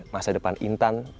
masa depan intan